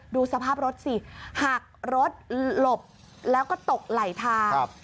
ดูสภาพรถสิหักรถหลบแล้วก็ตกไหลทาง